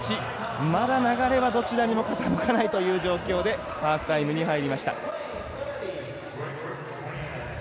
まだ流れはどちらにも傾かないという状況でハーフタイムに入りました。